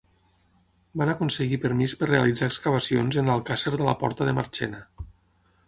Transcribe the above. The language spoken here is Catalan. Van aconseguir permís per realitzar excavacions en l'Alcàsser de la Porta de Marchena.